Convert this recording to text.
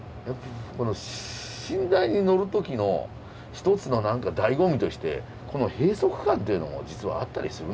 この寝台に乗る時の一つの何かだいご味としてこの閉塞感っていうのも実はあったりするんですよ。